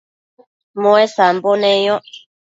muesambo neyoc